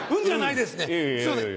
すいません